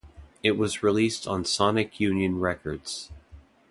It was released on Sonic Unyon Records.